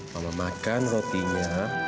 mama makan rotinya